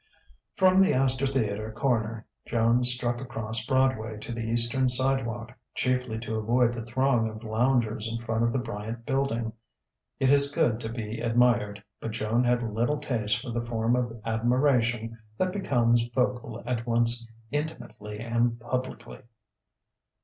From the Astor Theatre corner Joan struck across Broadway to the eastern sidewalk, chiefly to avoid the throng of loungers in front of the Bryant Building: it is good to be admired, but Joan had little taste for the form of admiration that becomes vocal at once intimately and publicly.